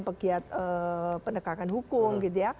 pegiat pendekakan hukum